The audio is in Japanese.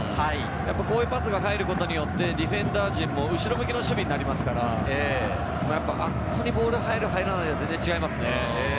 こういうパスが入ることによって、ディフェンダー陣も後ろ向きの守備になりますから、あそこにボールが入る、入らないで全然違います。